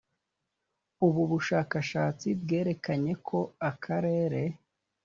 ububushakashatsi bwerekanye ko akarere